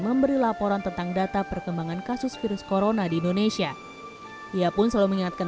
memberi laporan tentang data perkembangan kasus virus corona di indonesia ia pun selalu mengingatkan